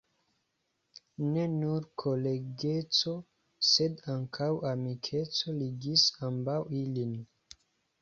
Ne nur kolegeco, sed ankaŭ amikeco ligis ambaŭ ilin.